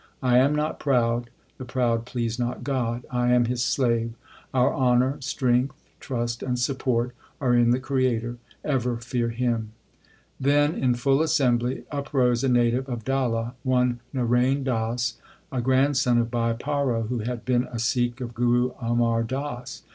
I am not proud ; the proud please not God. I am His slave. Our honour, strength, trust, and support are in the Creator. Ever fear Him. Then in full assembly uprose a native of Dalla, one Narain Das, a grandson of Bhai Paro, who had been a Sikh of Guru Amar Das.